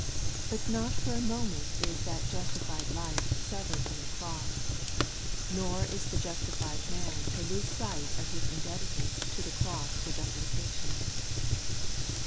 But not for a moment is that justified life severed from the cross, nor is the justified man to lose sight of his indebted ness to the cross for justification.